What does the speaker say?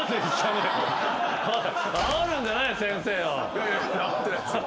いやいやあおってないっすよ。